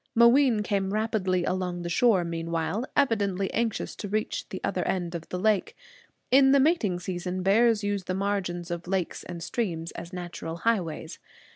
Mooween came rapidly along the shore meanwhile, evidently anxious to reach the other end of the lake. In the mating season bears use the margins of lakes and streams as natural highways.